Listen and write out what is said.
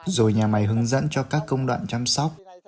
rồi nhà máy hướng dẫn cho các công đoạn chăm sóc